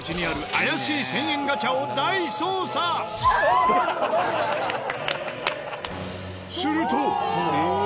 すると。